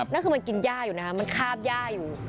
นั่นคือมันกินย่าอยู่นะคะมันคาบย่าอยู่